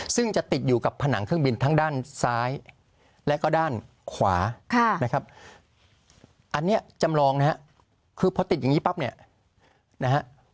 ซึ่งจะติดอยู่กับผนังเครื่องบินทั้งด้านซ้ายและก็ด้านขวานะครับอันนี้จำลองนะฮะคือพอติดอย่างนี้ปั๊บเนี่ยนะฮะ